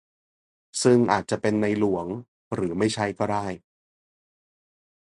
ซึ่งอาจจะเป็นในหลวง หรือไม่ใช่ก็ได้